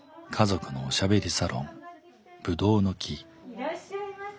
いらっしゃいませ。